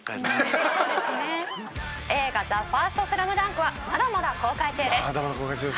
映画『ＴＨＥＦＩＲＳＴＳＬＡＭＤＵＮＫ』はまだまだ公開中です。